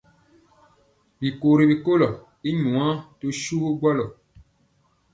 Bikori ɓɛnkɔlɔ i nwaa to suwu gbɔlɔ.